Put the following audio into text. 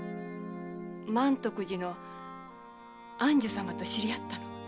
満徳寺の光琳様と知り合ったのは。